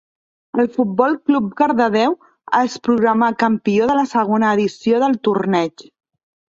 El Futbol Club Cardedeu es proclamà campió de la segona edició del torneig.